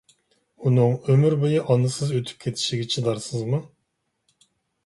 ئۇنىڭ ئۆمۈر بويى ئانىسىز ئۆتۈپ كېتىشىگە چىدارسىزمۇ؟